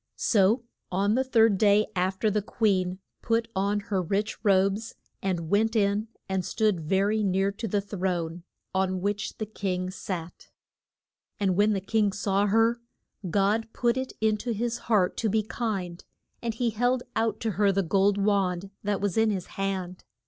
So on the third day af ter the queen put on her rich robes, and went in and stood ve ry near to the throne on which the king sat. [Illustration: ES THER AT SHUS HAN.] And when the king saw her, God put it in to his heart to be kind, and he held out to her the gold wand that was in his hand.